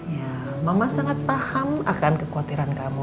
ya mama sangat paham akan kekhawatiran kamu